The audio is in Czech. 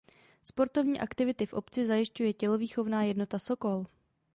Sportovní aktivity v obci zajišťuje tělovýchovná jednota Sokol.